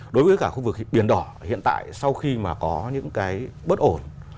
đối với cả khu vực biển đỏ hiện tại sau khi mà có những cái bất ổn